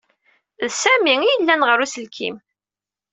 D Sami ay yellan ɣer uselkim.